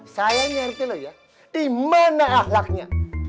saya nyerti loh ya dimana ahlaknya